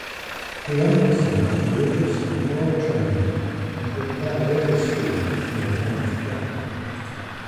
He emphasized religious and moral training and required every student to attend chapel.